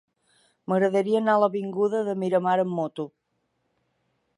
M'agradaria anar a l'avinguda de Miramar amb moto.